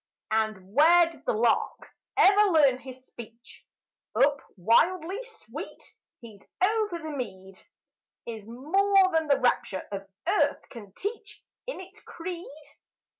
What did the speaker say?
And where did the lark ever learn his speech? Up, wildly sweet, he's over the mead! Is more than the rapture of earth can teach In its creed?